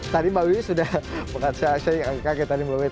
tadi mbak wiyu sudah mengatasi saya kaget tadi mbak wiyu